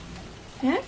えっ？